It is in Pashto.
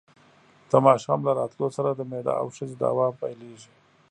د ماښام له راتلو سره د مېړه او ښځې دعوې پیلېږي.